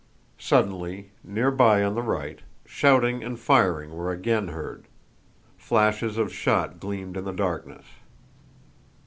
Suddenly, near by on the right, shouting and firing were again heard. Flashes of shot gleamed in the darkness.